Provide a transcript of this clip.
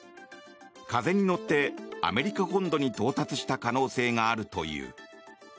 風に乗って、アメリカ本土に到達した可能性があるという。